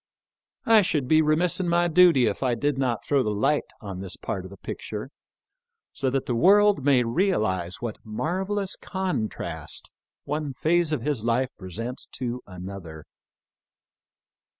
I should be remiss in my duty if I did not throw the light on this part of the picture, so X PREFACE. that the world may realize what marvellous con trast one phase of his life presents to another.